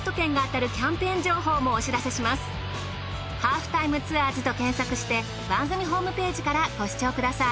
『ハーフタイムツアーズ』と検索して番組ホームページからご視聴ください。